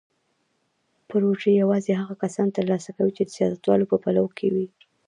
پروژې یوازې هغه کسان ترلاسه کوي چې د سیاستوالو په پلو کې وي.